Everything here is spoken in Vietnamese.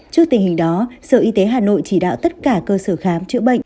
trước tình hình đó sở y tế hà nội chỉ đạo tất cả cơ sở khám chữa bệnh